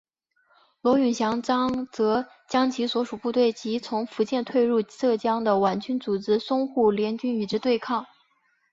卢永祥则将其所属部队及从福建退入浙江的皖军组成淞沪联军与之对抗。